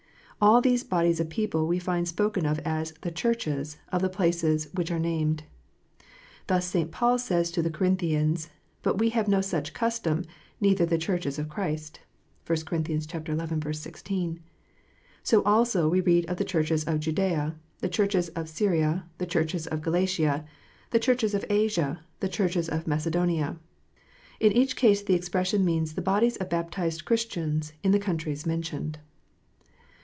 And these bodies of people we find spoken of as " the Churches " of the places which are named. Thus St. Paul says to the Corinthians, " But we have no such custom, neither the Churches of Christ." (1 Cor. xi. 16.) So also we read of the Churches of Judea, the Churches of Syria, the Churches of Galatia, the Churches of Asia, the Churches of Macedonia. In each case the expression means the bodies of baptized Christians in the countries mentioned.